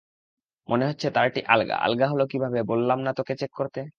মনে হচ্ছে তারটি আলগা, আলগা হলো কিভাবে, বললাম না তোকে চেক করতে।